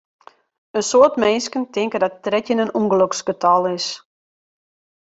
In soad minsken tinke dat trettjin in ûngeloksgetal is.